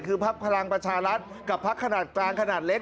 คือพักพลังประชารัฐกับพักขนาดกลางขนาดเล็ก